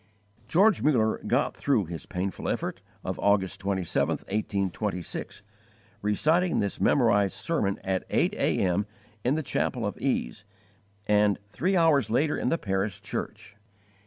George Muller 'got through' his painful effort of August 27, 1826, reciting this memoriter sermon at eight A.M. in the chapel of ease, and three hours later in the parish church.